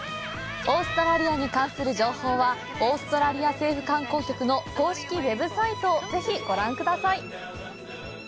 オーストラリアに関する情報は、「オーストラリア政府観光局」の公式ウェブサイトをご覧ください。